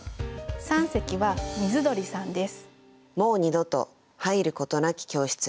三席は水鳥さんです。